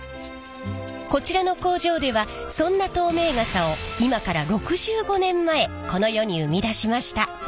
こちらの工場ではそんな透明傘を今から６５年前この世に生み出しました。